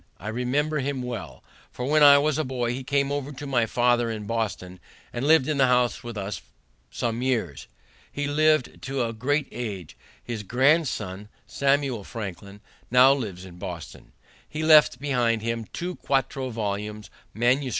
I remember him well, for when I was a boy he came over to my father in Boston, and lived in the house with us some years. He lived to a great age. His grandson, Samuel Franklin, now lives in Boston. He left behind him two quarto volumes, MS.